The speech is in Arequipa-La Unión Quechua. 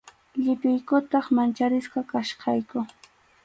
Llipiykutaq mancharisqa kachkayku.